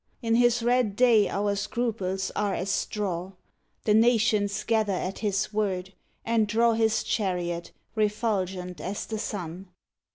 In his red day our scruples are as straw: The nations gather at his word, and draw His chariot, refulgent as the sun.